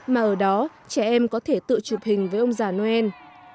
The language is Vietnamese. mà ở đó trẻ em có thể tự chụp hình với ông già noel